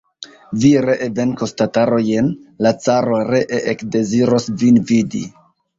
Vi ree venkos tatarojn, la caro ree ekdeziros vin vidi.